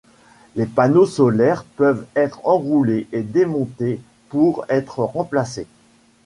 Les panneaux solaires peuvent être enroulés et démontés pour être remplacés.